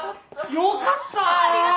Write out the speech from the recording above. よかった！